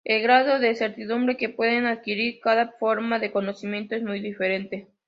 El grado de certidumbre que puede adquirir cada forma de conocimiento es muy diferente.